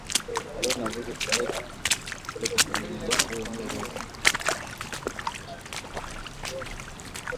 Kondoo na mbuzi kupelekwa kwenye malisho yaliyoathiriwa na kupe husababisha maambukizi